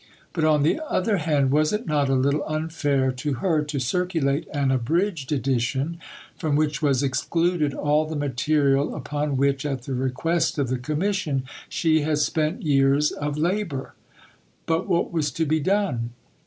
But on the other hand was it not a little unfair to her to circulate an abridged edition, from which was excluded all the material upon which, at the request of the Commission, she had spent years of labour? But what was to be done?